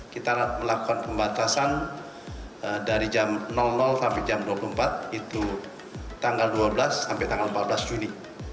kita melakukan pembatasan dari jam sampai jam dua puluh empat itu tanggal dua belas sampai tanggal empat belas juni